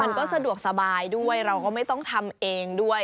มันก็สะดวกสบายด้วยเราก็ไม่ต้องทำเองด้วย